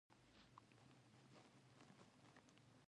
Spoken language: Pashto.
تل ریښتینې خبرې وکړه